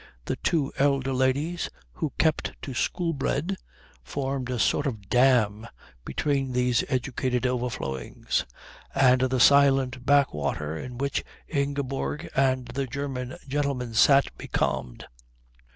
The two elder ladies, who kept to Shoolbred, formed a sort of dam between these educated overflowings and the silent back water in which Ingeborg and the German gentleman sat becalmed.